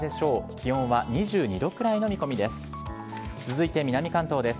気温は２２度くらいの見込みです。